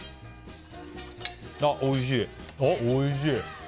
あ、おいしい！